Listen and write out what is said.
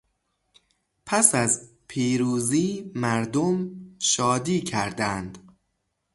پس از پیروزی مردم شادی کردند.